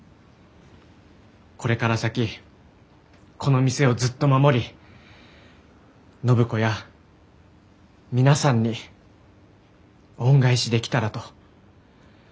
これから先この店をずっと守り暢子や皆さんに恩返しできたらと。